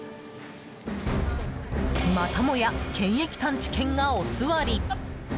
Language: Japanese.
またもや検疫探知犬がおすわり。